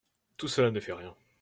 Tout cela ne fait rien.